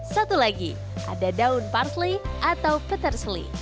satu lagi ada daun parsley atau peterseli